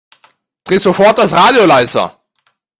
Dreh sofort das Radio leiser